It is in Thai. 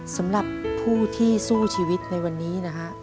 สำหรับผู้ที่สู้ชีวิตในวันนี้นะฮะ